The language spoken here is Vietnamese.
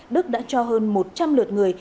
đức đã cho hơn một trăm linh lượt người